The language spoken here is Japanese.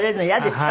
はい。